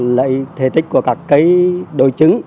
lệ thể tích của các cây đối chứng